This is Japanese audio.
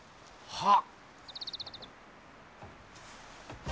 はっ。